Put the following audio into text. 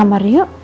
udah dapet ya pak